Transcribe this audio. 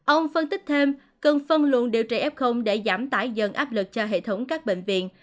ông phân tích thêm cần phân luận điều trị f để giảm tải dần áp lực cho hệ thống các bệnh viện